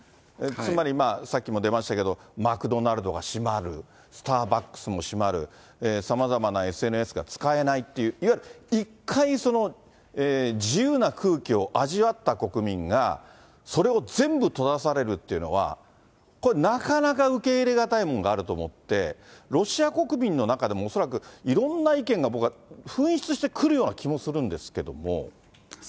つまり、さっきも出ましたけれども、マクドナルドが閉まる、スターバックスも閉まる、さまざまなＳＮＳが使えないっていう、いわゆる一回、その自由な空気を味わった国民が、それを全部閉ざされるっていうのは、これ、なかなか受け入れ難いものがあると思って、ロシア国民の中でも、恐らくいろんな意見が、僕は噴出してくるような気もするんですけれども。